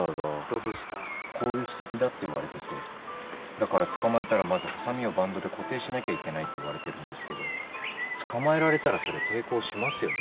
攻撃的だっていわれててだから捕まえたらまずハサミをバンドで固定しなきゃいけないっていわれてるんですけど捕まえられたらそりゃ抵抗しますよね。